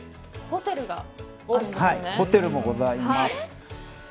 ホテルもございます。